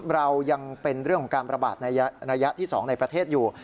เรายังเป็นเรื่องของการประบาดในระยะที่๒ในประเทศอยู่